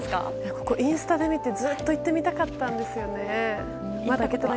ここ、インスタで見てずっと行きたかったんですよね。